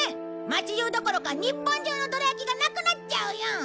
町中どころか日本中のどら焼きがなくなっちゃうよ！